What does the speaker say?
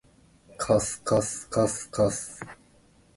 かすかすかすかす